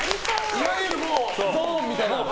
いわゆるゾーンみたいな。